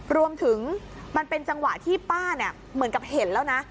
มันเป็นจังหวะที่ป้าเนี่ยเหมือนกับเห็นแล้วนะ